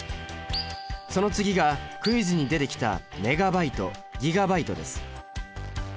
その次がクイズに出てきたメガバイトギガバイトです。